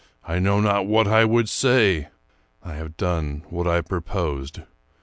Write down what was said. I know not what I would say. I have donq what I purposed.